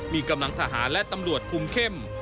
มีกำลังทหารและตำรวจคุมเข้ม